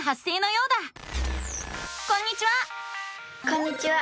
こんにちは！